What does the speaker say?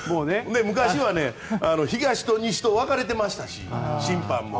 昔は東と西と分かれていましたし、審判も。